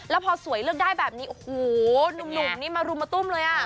แล้วพอสวยเลือกได้แบบนี้โอ้โหหนุ่มนี่มารุมมาตุ้มเลยอ่ะ